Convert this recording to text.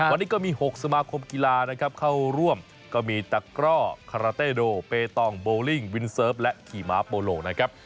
วันนี้ก็มี๖สมาคมกีฬานะครับเข้าร่วมก็มีตะกร่อคาราเต้โดเปตองโบลิ่งวินเซิร์ฟและขี่ม้าโปโลนะครับ